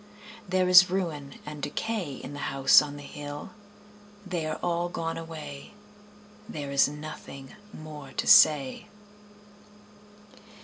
There is ruin and decay In the House on the Hill They are all gone away, There is nothing more to say.